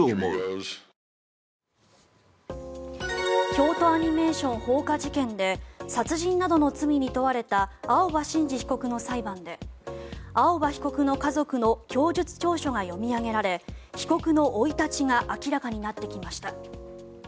京都アニメーション放火事件で殺人などの罪に問われた青葉真司被告の裁判で青葉被告の家族の供述調書が読み上げられ被告の生い立ちが明らかになってきました。